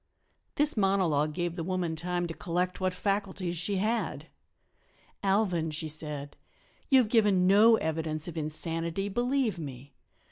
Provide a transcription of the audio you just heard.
This monologue gave the woman time to collect what faculties she had. "Alvan," she said, "you have given no evidence of insanity, believe me.